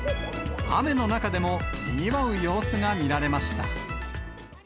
雨の中でもにぎわう様子が見られました。